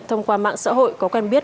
thông qua mạng xã hội có quen biết